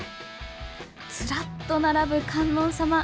ずらっと並ぶ、観音様。